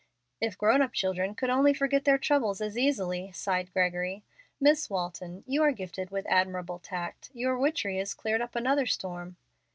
"If grown up children could only forget their troubles as easily!" sighed Gregory. "Miss Walton, you are gifted with admirable tact. Your witchery has cleared up another storm."